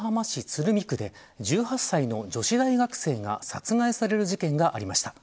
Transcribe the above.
昨日、横浜市鶴見区で１８歳の女子大学生が殺害される事件がありました。